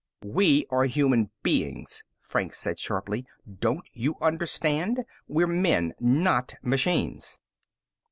"We are human beings," Franks said sharply. "Don't you understand? We're men, not machines."